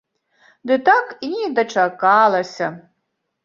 Ды так і не дачакалася.